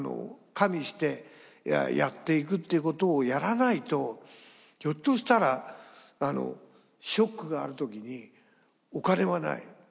加味してやっていくっていうことをやらないとひょっとしたらショックがある時にお金はない。